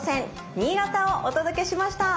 新潟をお届けしました。